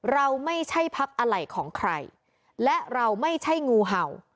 เราไม่ใช่พักอะไรของใครและเราไม่ใช่งูเห่า